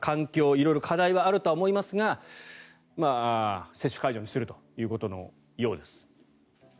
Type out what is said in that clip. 色々課題はあると思いますが接種会場にするということのようです。